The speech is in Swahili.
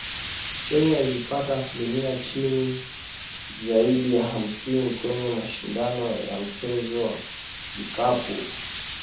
Kenya ilipata asilimia ya chini zaidi ya hamsini kwenye mashindano ya mchezo wa kikapu